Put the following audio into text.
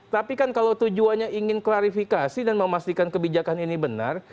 tapi kan kalau tujuannya ingin klarifikasi dan memastikan kebijakan ini benar